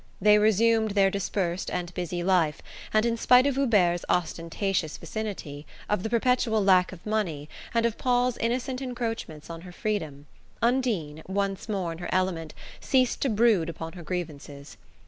They resumed their dispersed and busy life, and in spite of Hubert's ostentatious vicinity, of the perpetual lack of money, and of Paul's innocent encroachments on her freedom, Undine, once more in her element, ceased to brood upon her grievances.